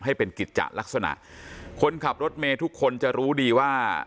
ให้เป็นกิจจะลักษณะคนขับรถเมย์ทุกคนจะรู้ดีว่า